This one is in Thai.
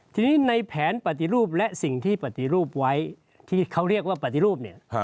ทีนี้ในแผนปฏิรูปและสิ่งที่ปฏิรูปไว้ที่เขาเรียกว่าปฏิรูปเนี่ย